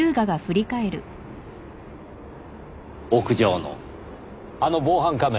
屋上のあの防犯カメラ